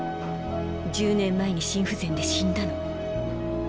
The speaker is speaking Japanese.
１０年前に心不全で死んだの。